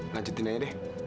lanjutin aja deh